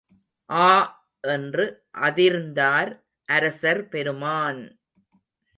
ஆ! என்று அதிர்ந்தார், அரசர் பெருமான்!